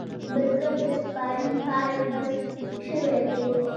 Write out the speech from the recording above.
بزگر د سپارې پال پس شوی دی.